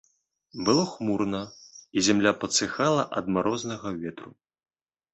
Было хмурна, і зямля падсыхала ад марознага ветру.